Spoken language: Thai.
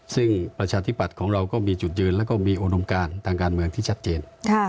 ซึ่งประชาธิปัตย์ของเราก็มีจุดยืนแล้วก็มีอุดมการทางการเมืองที่ชัดเจน